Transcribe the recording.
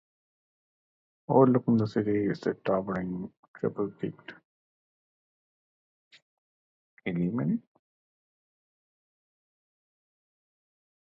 Overlooking the city is the towering, triple-peaked Illimani.